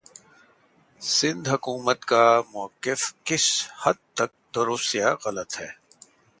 سندھ حکومت کا موقفکس حد تک درست یا غلط ہے